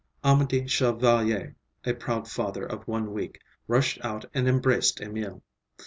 Amédée Chevalier, a proud father of one week, rushed out and embraced Emil.